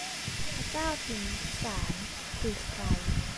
พระเจ้าพิมพิสาร คือใคร